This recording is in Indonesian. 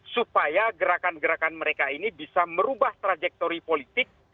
supaya gerakan gerakan mereka ini bisa merubah trajektori politik